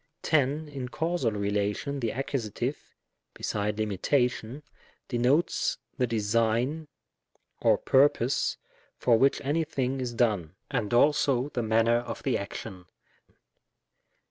'' 10. In causal relation the Accus., beside limitation, denotes the design or purpose for which any thing is done, and also the manner of the action.